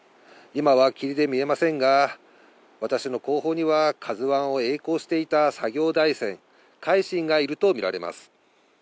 今は霧で見えませんが、私の後方には、ＫＡＺＵＩをえい航していた作業台船、海進がいると見られます。